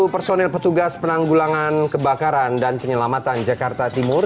dua puluh personil petugas penanggulangan kebakaran dan penyelamatan jakarta timur